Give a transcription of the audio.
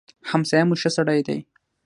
همسايه مو ښه سړی دی.